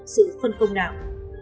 sự phân công nào